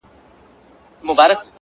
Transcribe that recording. ما ويل څه به ورته گران يمه زه ـ